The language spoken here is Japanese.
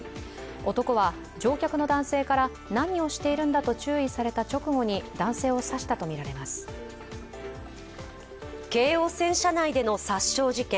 男は乗客の男性から何をしているんだと注意された直後に京王線車内での刺傷事件。